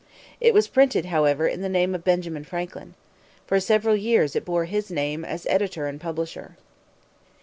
It was printed, however, in the name of Benjamin Franklin. For several years it bore his name as editor and publisher.